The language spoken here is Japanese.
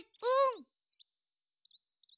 うん。